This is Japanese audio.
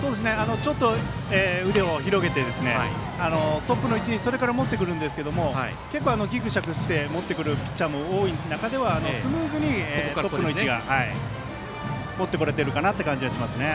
ちょっと腕を広げてトップの位置にそれから持ってくるんですけど結構、ギクシャクして持ってくるピッチャーも多い中ではスムーズにトップの位置に持ってこれている感じがしますね。